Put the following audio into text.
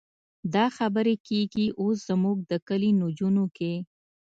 دا خبرې کېږي اوس زموږ د کلي نجونو کې.